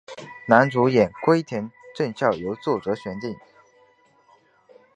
男主演洼田正孝由作者选定。